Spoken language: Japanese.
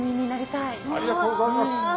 ありがとうございます！